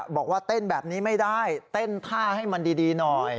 บอกว่าเต้นแบบนี้ไม่ได้เต้นท่าให้มันดีหน่อย